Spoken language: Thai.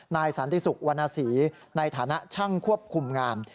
สันติสุขวรรณศรีในฐานะช่างควบคุมงาน